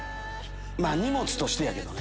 まぁ荷物としてやけどね。